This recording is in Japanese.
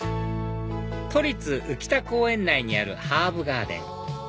都立宇喜田公園内にあるハーブガーデン